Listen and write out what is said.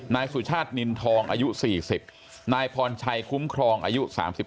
นายสุชาตินินทองอายุ๔๐นายพรชัยคุ้มครองอายุ๓๓